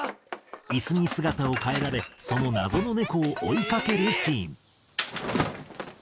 椅子に姿を変えられその謎の猫を追いかけるシーン。